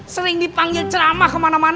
sering dipanggil ceramah kemana mana